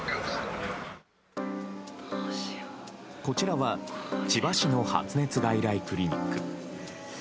こちらは千葉市の発熱外来クリニック。